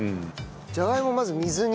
じゃがいもをまず水に。